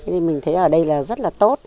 thì mình thấy ở đây là rất là tốt